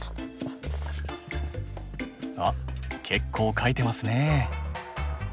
あっ結構書いてますね。